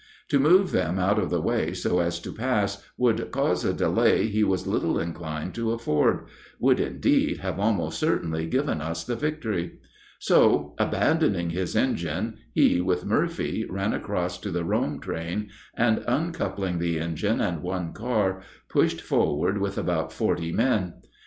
To move them out of the way so as to pass would cause a delay he was little inclined to afford would, indeed, have almost certainly given us the victory. So, abandoning his engine, he with Murphy ran across to the Rome train, and, uncoupling the engine and one car, pushed forward with about forty armed men.